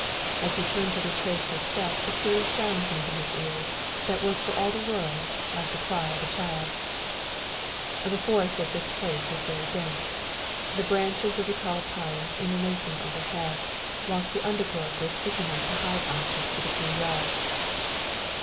As he turned to retrace his steps a curious sound came to his ears, that was for all the world like the cry of a child, The forest at this place was very dense, the branches of the tall pines interlacing overhead, whilst the undergrowth was thick enough to hide objects at a few yards.